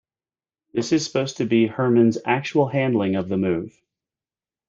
This is supposed to be Herrmann's actual handling of the move.